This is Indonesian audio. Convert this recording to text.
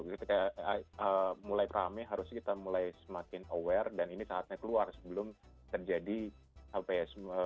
jadi mulai rame harus kita mulai semakin aware dan ini saatnya keluar sebelum terjadi semakin tidak terkendali